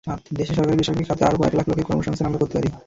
দেশে সরকারি-বেসরকারি খাতে আরও কয়েক লাখ লোকের কর্মসংস্থান আমরা করতে পারি।